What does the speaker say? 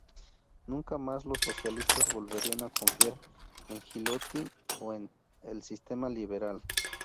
Nunca más los socialistas volverían a confiar en Giolitti o en el sistema liberal.